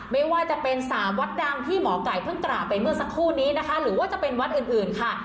ไม่ว่าจะเป็นสามวัดดังที่หมอไก่เพิ่งกราบไปเมื่อสักครู่นี้นะคะหรือว่าจะเป็นวัดอื่นค่ะ